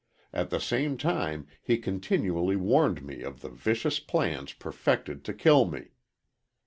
At the same time he continually warned me of the various plans perfected to kill me.